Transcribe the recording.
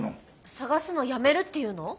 捜すのやめるっていうの？